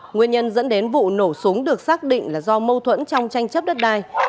nguyên nhân dẫn đến vụ nổ súng được xác định là do mâu thuẫn trong tranh chấp đất đai